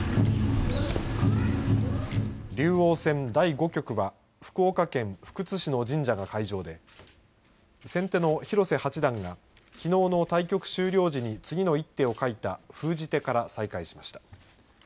竜王戦第５局は福岡県福津市の神社が会場で先手の広瀬八段がきのうの対局終了時に次の一手を書いた封じ手から再開しました。